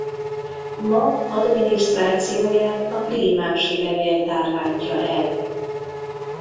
Ma adminisztrációját a Prímási Levéltár látja el.